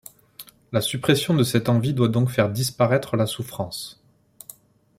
La suppression de cette envie doit donc faire disparaître la souffrance.